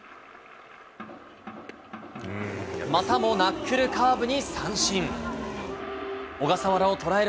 またもナックルカーブに三振。